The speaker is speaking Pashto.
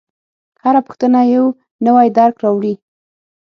هره پوښتنه یو نوی درک راوړي.